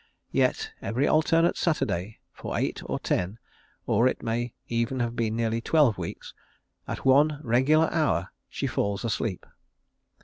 Yet every alternate Saturday for eight or ten, or it may even have been nearly twelve weeks, at one regular hour she falls asleep.